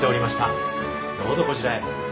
どうぞこちらへ。